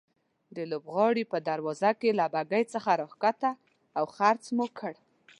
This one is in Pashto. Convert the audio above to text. د لوبغالي په دروازه کې له بګۍ څخه راکښته او رخصت مو کړه.